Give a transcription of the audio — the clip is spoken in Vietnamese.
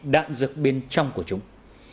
đạn dược bên trong của chúng